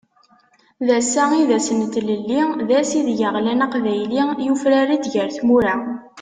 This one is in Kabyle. D ass-a i d ass n tlelli, d ass ideg aɣlan aqbayli, yufrar-d ger tmura.